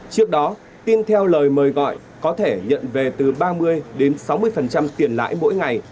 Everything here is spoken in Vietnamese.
trước đó tin theo lời mời gọi có thể nhận về từ ba mươi đến sáu mươi tiền lãi mỗi ngày